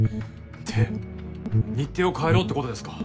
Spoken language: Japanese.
で日程を変えろってことですか？